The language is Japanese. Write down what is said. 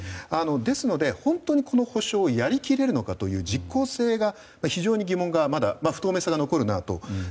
ですので、本当に補償をやり切れるかという実効性が非常に疑問が不透明性が残るなと。